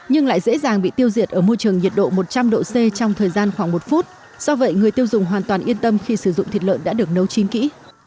nhưng lại dễ dàng bị tiêu diệt ở môi trường nhiệt độ một trăm linh độ c trong thời gian khoảng một phút do vậy người tiêu dùng hoàn toàn yên tâm khi sử dụng thịt lợn đã được nấu chín kỹ